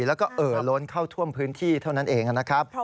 แล้วก็เอ่อล้นเข้าท่วมพื้นที่เท่านั้นเองนะครับ